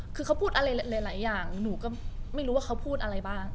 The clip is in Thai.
คือเขาพูดอะไรหลายอย่างหนูก็ไม่รู้ว่าเขาพูดอะไรบ้าง